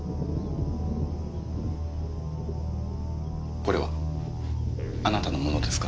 これはあなたの物ですか？